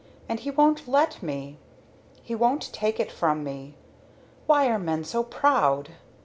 And he won't let me. He won't take it from me. Why are men so proud?